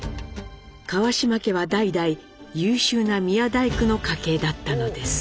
川島家は代々優秀な宮大工の家系だったのです。